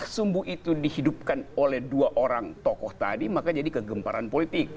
karena sumbu itu dihidupkan oleh dua orang tokoh tadi maka jadi kegemparan politik